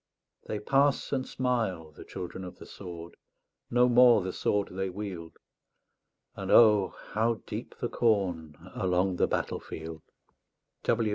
They pass and smile, the children of the sword No more the sword they wield; And O, how deep the corn Along the battlefield!